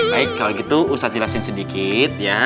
baik kalau gitu ustaz jelasin sedikit